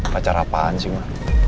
pacar apaan sih ma